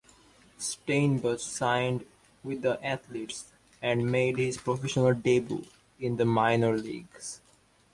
Steinbach signed with the Athletics, and made his professional debut in the minor leagues.